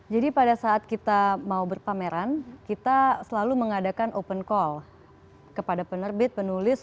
jadi pada saat kita mau berpameran kita selalu mengadakan open call kepada penerbit penulis